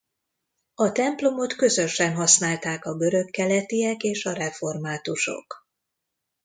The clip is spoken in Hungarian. A templomot közösen használták a görög keletiek és a reformátusok.